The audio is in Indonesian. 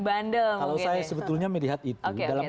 bandel kalau saya sebetulnya melihat itu dalam